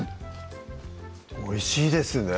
おいしいですね